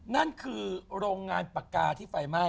นั่นคือโรงงานปากกาที่ไฟไหม้